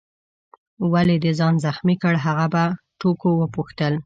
ولي دي ځان زخمي کړ؟ هغه په ټوکو وپوښتل.